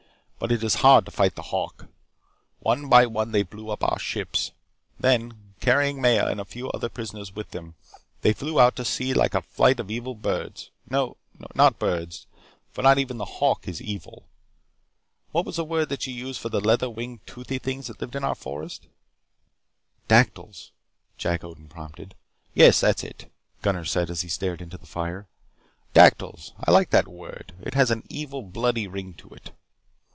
But it is hard to fight the hawk. One by one they blew up our ships. Then, carrying Maya and a few other prisoners with them, they flew out to sea like a flight of evil birds no, not birds, for not even the hawk is evil. What was the word that you used for the leather winged, toothy things that live in the forest?" "Dactyls," Jack Odin prompted. "Yes, that's it," Gunnar said as he stared into the fire. "Dactyls. I like that word. It has an evil, bloody ring to it."